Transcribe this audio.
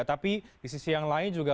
tapi di sisi yang lain juga